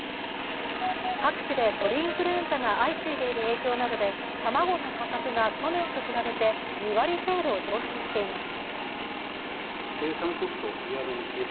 各地で鳥インフルエンザが相次いでいる影響などで卵の価格が去年と比べて２割程度上昇しています。